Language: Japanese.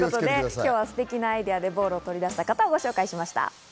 今日は、ステキなアイデアでボーロの取り出し方をご紹介しました。